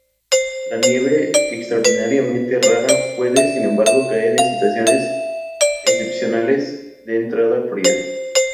La nieve, extraordinariamente rara, puede sin embargo caer en situaciones excepcionales de entrada fría.